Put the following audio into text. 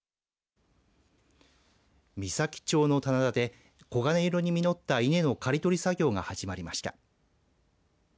美咲町の棚田で黄金色に実った稲の刈り取り作業が始まりました。